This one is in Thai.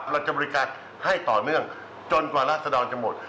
เราจะบริการให้ต่อเนื่องจนกว่าราศดรจะหมด